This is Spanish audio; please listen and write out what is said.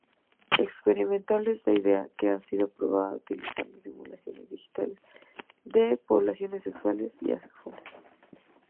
Experimentalmente, esta idea ha sido probada utilizando simulaciones digitales de poblaciones sexuales y asexuales.